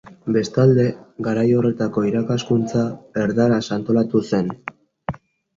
Bestalde, garai horretako irakaskuntza erdaraz antolatu zen.